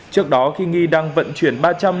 trước đó khi nghì đang vận chuyển